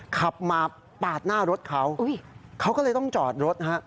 ขับมาปาดหน้ารถเขาเขาก็เลยต้องจอดรถฮะ